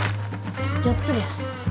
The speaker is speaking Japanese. ４つです。